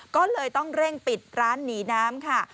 ก็เลยต้องเร่งปิดร้านหนีน้ำค่ะ